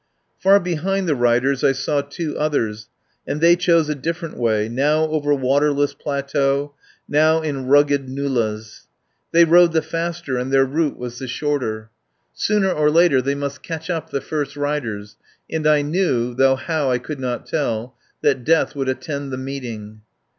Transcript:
Far behind the riders I saw two others, and they chose a different way, now over water less plateaux, now in rugged nullahs. They rode the faster and their route was the shorter. 128 I TAKE A PARTNER Sooner or later they must catch up the first riders, and I knew, though how I could not tell, that death would attend the meeting.